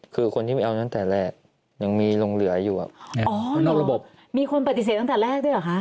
คือคนที่ไม่เอาตั้งแต่แรกยังมีลงเหลืออยู่อ่ะอ๋อนอกระบบมีคนปฏิเสธตั้งแต่แรกด้วยเหรอคะ